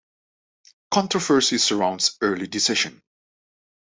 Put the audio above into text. Controversy surrounds early decision.